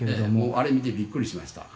あれ見てびっくりしました。